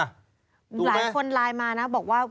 หลายคนไลน์มานะบอกว่า